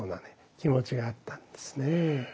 気持ちがあったんですね。